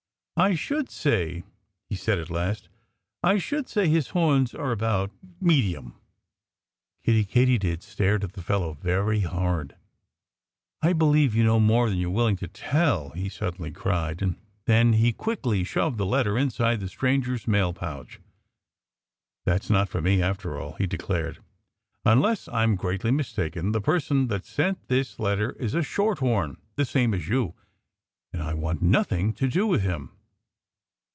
"I should say " he said at last "I should say his horns were about medium." Kiddie Katydid stared at the fellow very hard. "I believe you know more than you're willing to tell!" he suddenly cried. And then he quickly shoved the letter inside the stranger's mail pouch. "That's not for me, after all!" he declared. "Unless I'm greatly mistaken, the person that sent this letter is a Short horn, the same as you. And I want nothing to do with him!"